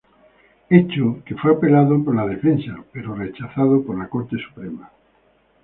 Hecho que fue apelado por la defensa, pero rechazado por la Corte Suprema.